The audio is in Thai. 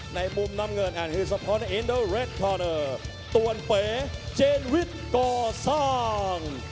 ในกลุ่มน้ำเงินตัวเปรย์เจนวิทย์ก่อซ่าง